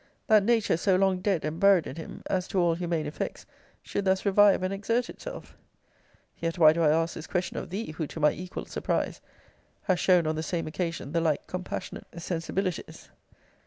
That nature, so long dead and buried in him, as to all humane effects, should thus revive and exert itself? Yet why do I ask this question of thee, who, to my equal surprise, hast shown, on the same occasion, the like compassionate sensibilities?